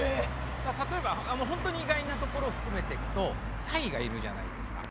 例えばほんとに意外なところを含めていくとサイがいるじゃないですか。